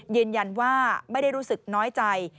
ยืนยันว่าไม่ได้รู้สึกน้อยใจ